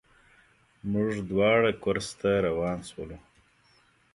موږ دواړه کورس ته روان شولو.